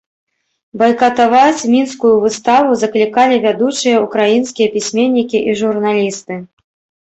Байкатаваць мінскую выставу заклікалі вядучыя ўкраінскія пісьменнікі і журналісты.